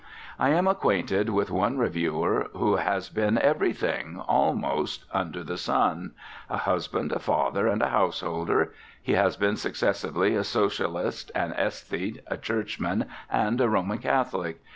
I am acquainted with one reviewer who has been everything, almost, under the sun a husband, a father, and a householder; he has been successively a socialist, an aesthete, a Churchman, and a Roman Catholic.